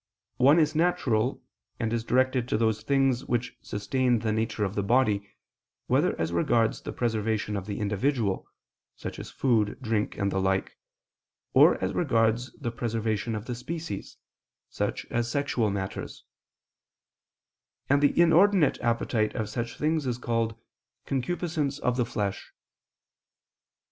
One is natural, and is directed to those things which sustain the nature of the body, whether as regards the preservation of the individual, such as food, drink, and the like, or as regards the preservation of the species, such as sexual matters: and the inordinate appetite of such things is called "concupiscence of the flesh."